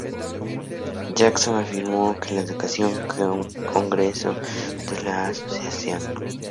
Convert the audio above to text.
Jackson afirmó que la "educación" es un proceso de socialización.